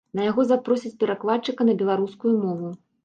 На яго запросяць перакладчыка на беларускую мову.